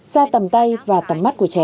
xa tầm tay và tầm mắt của trẻ